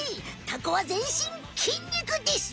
タコは全身筋肉です！